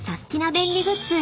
便利グッズ］